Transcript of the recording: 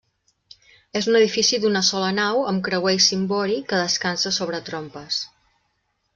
És un edifici d'una sola nau, amb creuer i cimbori, que descansa sobre trompes.